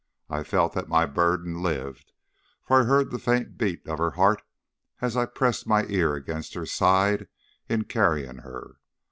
I felt that my burden lived, for I heard the faint beat of her heart as I pressed my ear against her side in carrying her.